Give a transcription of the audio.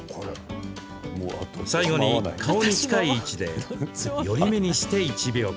最後に顔に近い位置で寄り目にして１秒間。